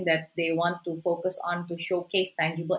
mereka ingin fokuskan untuk menunjukkan